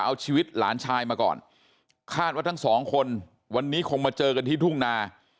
เอาชีวิตหลานชายมาก่อนคาดว่าทั้งสองคนวันนี้คงมาเจอกันที่ทุ่งนา